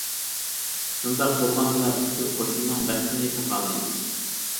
شۇنداق بولغاندىلا پۈتكۈل قوشۇننىڭ بەختىنى تاپالايمىز.